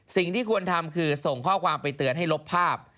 สิ่งที่ควรทำคือส่งข้อความไปเตือนให้ลบภาพ